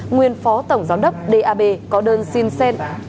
nguyên phó tổng giám đốc d a b có đơn xin sen